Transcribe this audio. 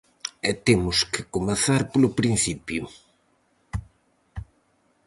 E temos que comezar polo principio.